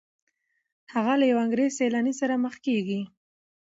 هغه له یو انګریز سیلاني سره مخ کیږي.